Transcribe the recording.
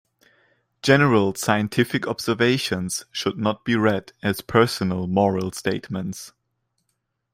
General scientific observations should not be read as personal moral statements.